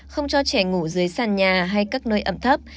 không cho trẻ ngủ dưới sàn nhà hay các nơi ẩm thấp